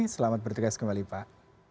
selamat bertugas kembali pak